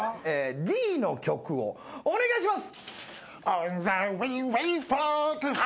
Ｄの曲をお願いします。